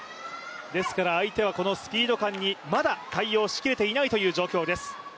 ですから、相手はこのスピード感にまだ対応しきれていない状況。